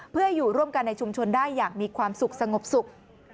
เพื่ออยู่ร่วมกันในชุมชนได้อย่างมีความสุขสงบสุข